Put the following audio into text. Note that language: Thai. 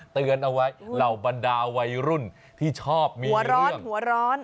เตือนเอาไว้เราบรรดาวัยรุ่นที่ชอบมีเรื่อง